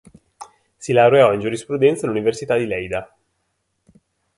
Si laureò in giurisprudenza all'Università di Leida.